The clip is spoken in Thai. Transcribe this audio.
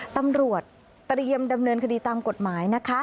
ตำรวจเตรียมดำเนินคดีตามกฎหมายนะคะ